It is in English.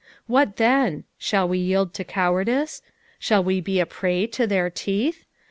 What then ? Shall we yield to cowardice ? Shall we be a prey to their teeth